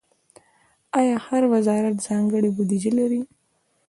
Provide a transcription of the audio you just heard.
آیا هر وزارت ځانګړې بودیجه لري؟